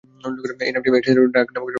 এই নামটি এসেছে ডাফ নামক বাদ্যযন্ত্র থেকে।